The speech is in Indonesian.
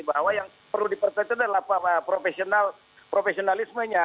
bahwa yang perlu dipertahankan adalah profesionalismenya